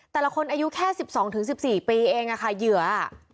แต่ละคนอายุแค่๑๒๑๔ปีเองค่ะเหยื่อ